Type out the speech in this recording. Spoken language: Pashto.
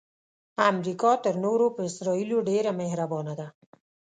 امریکا تر نورو په اسراییلو ډیره مهربانه ده.